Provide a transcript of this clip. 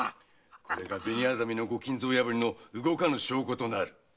これが紅薊のご金蔵破りの動かぬ証拠となる。